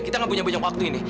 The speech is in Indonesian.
kita gak punya banyak waktu ini